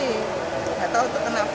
nggak tahu itu kenapa